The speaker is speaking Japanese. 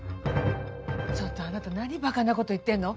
ちょっとあなた何馬鹿な事言ってんの？